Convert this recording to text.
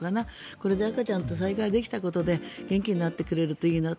これで赤ちゃんと再会できたことで元気になってくれるといいなと。